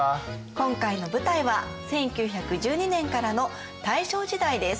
今回の舞台は１９１２年からの大正時代です。